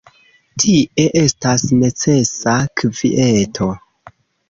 Tie estas necesa kvieto.